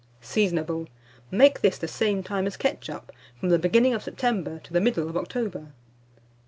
Seasonable. Make this the same time as ketchup, from the beginning of September to the middle of October.